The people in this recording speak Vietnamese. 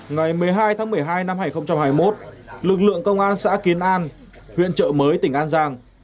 ngày một mươi hai tháng một mươi hai năm hai nghìn hai mươi một lực lượng công an xã kiến an huyện trợ mới tỉnh an giang